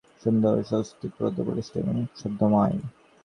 এমন সব প্রতীক আছে, যেগুলি সুন্দর, শক্তিপ্রদ, বলিষ্ঠ এবং ছন্দোময়।